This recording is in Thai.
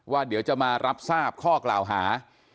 เดี๋ยวจะมารับทราบข้อกล่าวหา